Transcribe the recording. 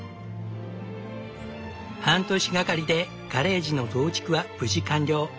半年がかりでガレージの増築は無事完了。